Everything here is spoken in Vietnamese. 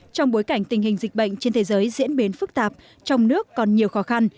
trong bối cảnh tình hình dịch bệnh trên thế giới diễn biến phức tạp trong nước còn nhiều khó khăn